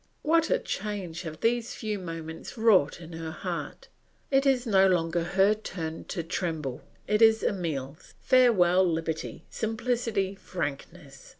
What a change have these few moments wrought in her heart! It is no longer her turn to tremble, it is Emile's. Farewell liberty, simplicity, frankness.